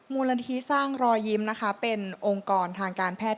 มูลนิธิสร้างรอยยิ้มนะคะเป็นองค์กรทางการแพทย์